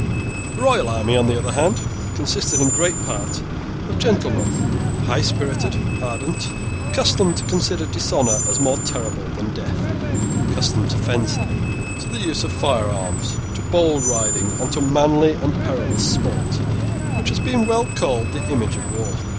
The royal army, on the other hand, consisted in great part of gentlemen, high spirited, ardent, accustomed to consider dishonour as more terrible than death, accustomed to fencing, to the use of fire arms, to bold riding, and to manly and perilous sport, which has been well called the image of war.